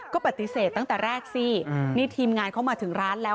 ก็ปฏิเสธตั้งแต่แรกสินี่ทีมงานเข้ามาถึงร้านแล้ว